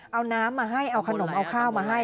เอาน้ำมาให้เอาขนมเอาข้าวมาให้